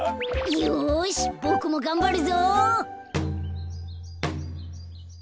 よしボクもがんばるぞ。